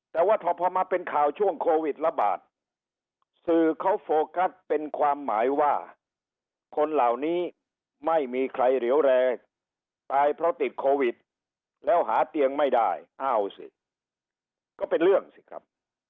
แต่ว่าพอมาเป็นข่าวช่วงโควิดระบาดสื่อเขาโฟกัสเป็นความหมายว่าคนเหล่านี้ไม่มีใครเหลวแรตายเพราะติดโควิดแล้วหาเตียงไม่ได้อ้าวสิก็เป็นเรื่องสิครับ